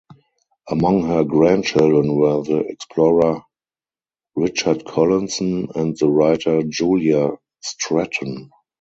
Among her grandchildren were the explorer Richard Collinson and the writer Julia Stretton.